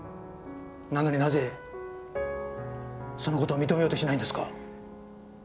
なのになぜその事を認めようとしないんですか？